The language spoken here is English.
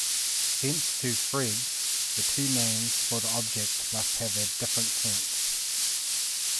Hence to Frege the two names for the object must have a different sense.